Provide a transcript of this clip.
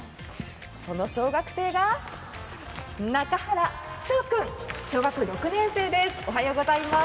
その小学生が中原翔君、小学６年生です。